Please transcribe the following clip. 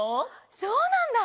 そうなんだ！